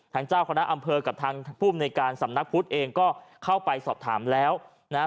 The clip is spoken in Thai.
เจ้าคณะอำเภอกับทางภูมิในการสำนักพุทธเองก็เข้าไปสอบถามแล้วนะฮะ